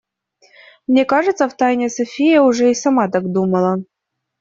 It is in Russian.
Мне кажется, втайне София уже и сама так думала.